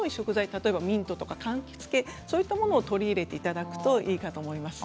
例えばミントとか、かんきつ系そういったものを取り入れていただくといいかと思います。